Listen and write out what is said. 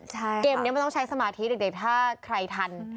เกมนี้มันต้องใช้สมาธิเด็กถ้าใครทัน